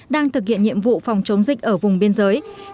đang thực hiện nhiệm vụ phòng chống dịch ở vùng biên giới